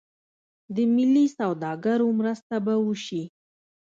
د ملي سوداګرو مرسته به وشي.